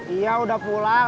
iya udah pulang